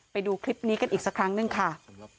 ไปดูคลิปนี้กันอีกสักครั้งหนึ่งค่ะ